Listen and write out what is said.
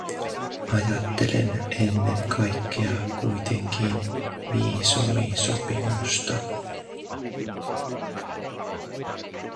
Ajattelen ennen kaikkea kuitenkin viisumisopimusta.